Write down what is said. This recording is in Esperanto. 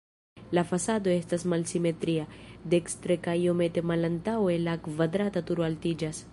La fasado estas malsimetria, dekstre kaj iomete malantaŭe la kvadrata turo altiĝas.